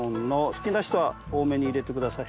好きな人は多めに入れてください。